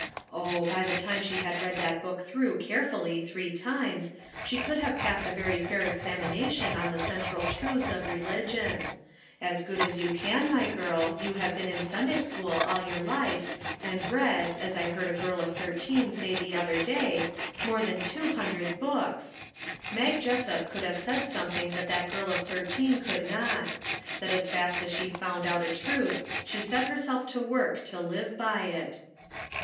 Oh, by the time she had read that book through carefully three times, she could have passed a very fair examination on the central truths of religion ; as good as you can, my girl, who have been in Sunday school all your life, and read, as I heard a girl of thirteen say the other day, " more than two hundred books." Mag Jessup could have said something that that girl of thirteen could not: that as fast as she found out a truth she set herself to work to live by it.